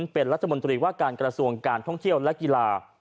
เป็นรัฐมนตรีว่าการกระทรวงการท่องเที่ยวและกีฬา